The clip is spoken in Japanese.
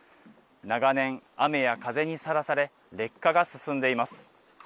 長年、雨や風にさらされ、劣化が進んでいます。